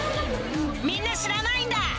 みんな知らないんだ